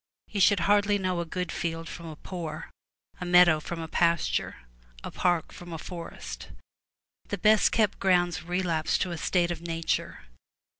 You shall hardly know a good field from a poor, a meadow from a pasture, a park from a forest. The best kept grounds relapse to a state of nature.